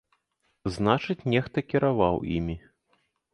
Значыць, нехта кіраваў імі!